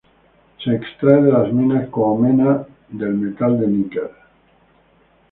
Se extrae de las minas como mena del metal de níquel.